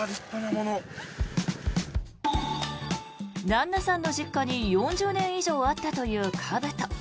旦那さんの実家に４０年以上あったというかぶと。